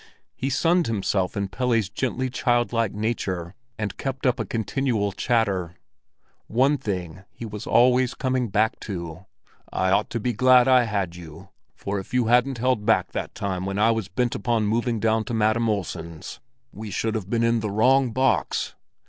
He sunned himself in Pelle's gently childlike nature, and kept up a continual chatter. One thing he was always coming back to. "I ought to be glad I had you, for if you hadn't held back that time when I was bent upon moving down to Madam Olsen's, we should have been in the wrong box.